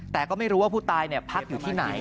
แต่ก็ไม่รู้ว่าผู้ตายพักอยู่ที่ไหน